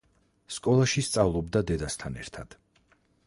სკოლაში სწავლობდა დედასთან ერთად.